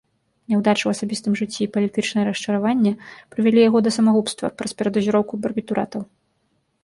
Няўдачы ў асабістым жыцці і палітычнае расчараванне прывялі яго да самагубства праз перадазіроўку барбітуратаў.